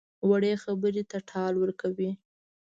وړې خبرې ته ټال ورکوي.